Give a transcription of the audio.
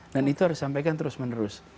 dan itu harus disampaikan terus menerus